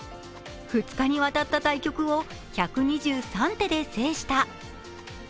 ２日にわたった対局を１２３手で制した。